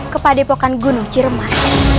ke padepokan gunung ciremai